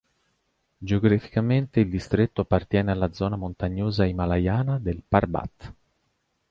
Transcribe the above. Geograficamente il distretto appartiene alla zona montagnosa himalayana del Parbat.